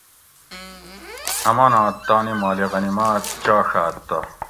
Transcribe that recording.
امانات تانی مالِ غنیمت چاڛات تہ